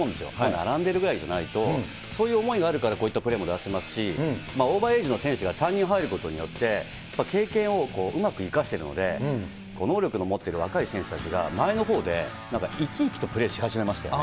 並んでいるぐらいじゃないと、そういう思いがあるからこういったプレーも出せますし、オーバーエイジの選手が３人入ることによって、やっぱり経験をうまく生かしているので、能力の持っている若い選手たちが前のほうで、なんか生き生きとプレーし始めましたよね。